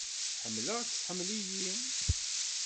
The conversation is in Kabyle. Ḥemmleɣ-tt, tḥemmel-iyi.